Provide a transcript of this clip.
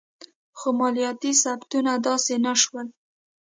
خو مالیاتي ثبتونه داسې نه شول.